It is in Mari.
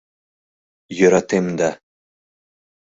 Йӧртем да...